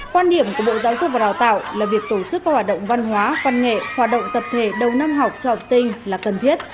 quan điểm của bộ giáo dục và đào tạo là việc tổ chức các hoạt động văn hóa văn nghệ hoạt động tập thể đầu năm học cho học sinh là cần thiết